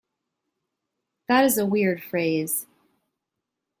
That is a weird phrase.